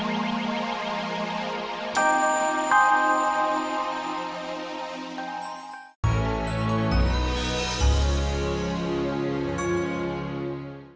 baik haris teman gue setelah melesak